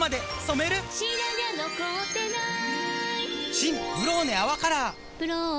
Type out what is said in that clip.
新「ブローネ泡カラー」「ブローネ」